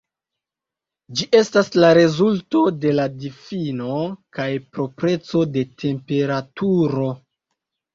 Ĝi estas la rezulto de la difino kaj proprecoj de temperaturo.